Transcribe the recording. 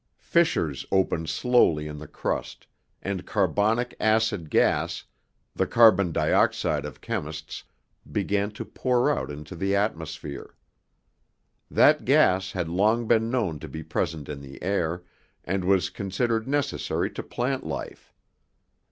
Fissures opened slowly in the crust, and carbonic acid gas the carbon dioxide of chemists began to pour out into the atmosphere. That gas had long been known to be present in the air, and was considered necessary to plant life.